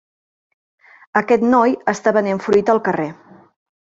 Aquest noi està venent fruita al carrer.